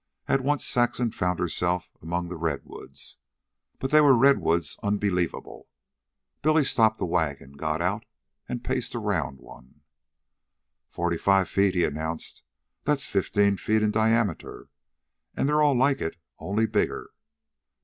At once Saxon found herself among the redwoods. But they were redwoods unbelievable. Billy stopped the wagon, got out, and paced around one. "Forty five feet," he announced. "That's fifteen in diameter. And they're all like it only bigger.